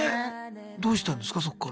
どうしたんですかそっから。